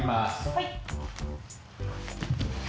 はい。